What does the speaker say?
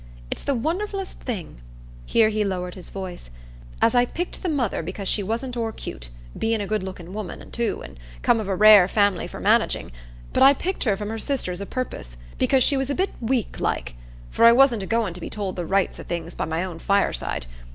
It's the wonderful'st thing"—here he lowered his voice—"as I picked the mother because she wasn't o'er 'cute—bein' a good looking woman too, an' come of a rare family for managing; but I picked her from her sisters o' purpose, 'cause she was a bit weak like; for I wasn't agoin' to be told the rights o' things by my own fireside.